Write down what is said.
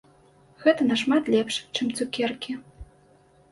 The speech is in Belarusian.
Гэта нашмат лепш, чым цукеркі.